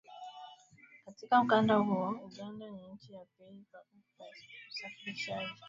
Katika ukanda huo, Uganda ni nchi ya pili kwa usafirishaji mkubwa zaidi wa bidhaa kwenda Kongo, baada ya Rwanda